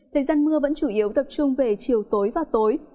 thời gian mưa vẫn chủ yếu tập trung về chiều tối và tối